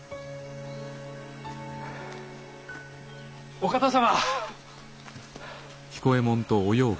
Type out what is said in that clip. お方様。